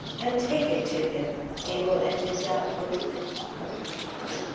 And take it to him...." Abel ended doubtfully.